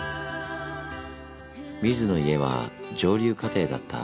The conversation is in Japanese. ミズの家は上流家庭だった。